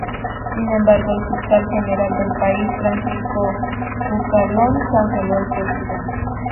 Sin embargo, el fiscal general del país, Francisco Cucalón, canceló el pedido.